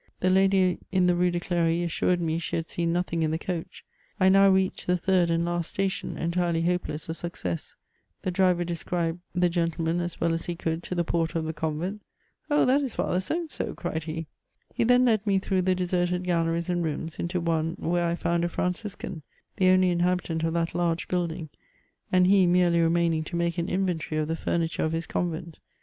The lady in the Rue de Cl^ry assured me she had seen nothing in the coach. I now reached the tbird and last station, entirely hope less of success ; the driver described the gentleman as well as he could to the porter of the convent :'' Oh ! that is Father so and so I" cried he. He then led me tJirough the deserted galleries and rooms, into one where I found a Franciscan, the only inhalHtant oi that large building, and he merely remaining to make an inventory of tlie furniture of his convent.